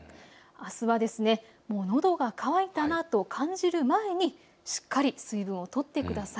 あすはのどが渇いたなと感じる前にしっかり水分を取ってください。